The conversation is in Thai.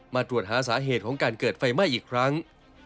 มาตรวจหาสาเหตุของการเกิดไฟไหม้อีกครั้ง